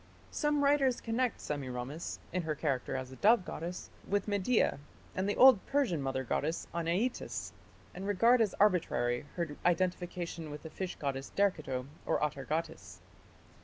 Some writers connect Semiramis, in her character as a dove goddess, with Media and the old Persian mother goddess Anaitis, and regard as arbitrary her identification with the fish goddess Derceto or Atargatis.